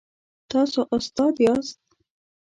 تاسو استاد یاست؟